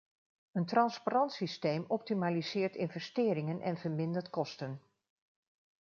Een transparant systeem optimaliseert investeringen en vermindert kosten.